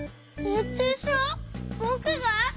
ぼくが？